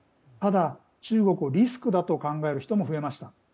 中国をリスクだと考える人も増えました。